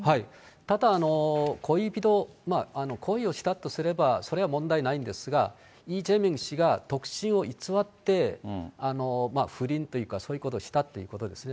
ただ、恋人、恋をしたとすればそれは問題ないんですが、イ・ジェミョン氏が独身を偽って不倫というかそういうことをしたということですね。